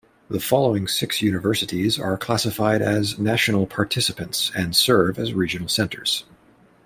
The following six universities are classified as "national participants" and serve as regional centers.